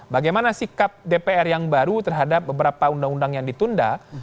bagaimana sikap dpr yang baru terhadap beberapa undang undang yang ditunda